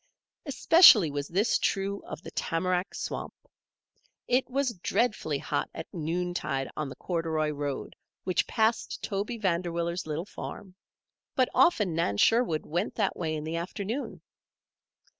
Especially was this true of the tamarack swamp. It was dreadfully hot at noontide on the corduroy road which passed Toby Vanderwiller's little farm; but often Nan Sherwood went that way in the afternoon.